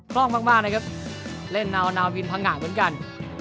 ร่องมากนะครับเล่นนาวนาวินพังงะเหมือนกัน